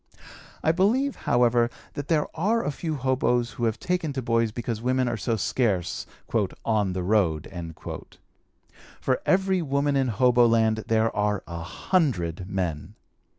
I believe, however, that there are a few hoboes who have taken to boys because women are so scarce "on the road." For every woman in hoboland there are a hundred men.